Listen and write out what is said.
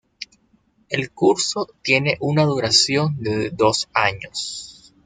El curso tiene una duración de dos años.